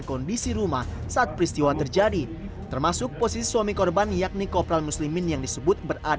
kondisi rumah saat peristiwa terjadi termasuk posisi suami korban yakni kopral muslimin yang disebut